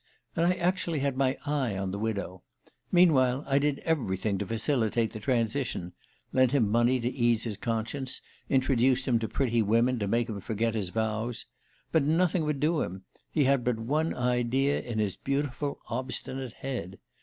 And I actually had my eye on the widow ... Meanwhile I did everything to facilitate the transition lent him money to ease his conscience, introduced him to pretty women to make him forget his vows. But nothing would do him: he had but one idea in his beautiful obstinate head.